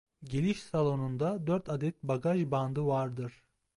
Geliş salonunda dört adet bagaj bandı vardır.